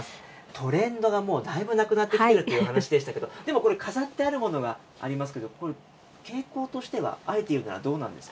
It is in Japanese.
トレンドがもう、だいぶなくなってきてるということでしたけれども、でもこれ、飾ってあるものがありますけど、傾向としてはあえ